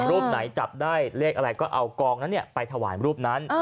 รูปไหนจับได้เลขอะไรก็เอากองนั้นไปถวายรูปนั้น